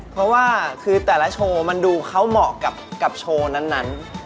เพราะว่าคือแต่ละโชว์มันดูเขาเหมาะกับโชว์นั้น